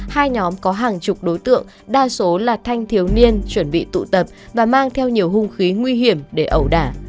hai nhóm có hàng chục đối tượng đa số là thanh thiếu niên chuẩn bị tụ tập và mang theo nhiều hung khí nguy hiểm để ẩu đả